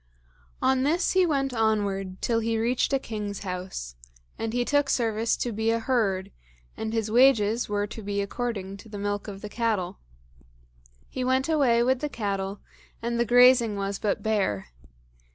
On this he went onward till he reached a king's house, and he took service to be a herd, and his wages were to be according to the milk of the cattle. He went away with the cattle, and the grazing was but bare.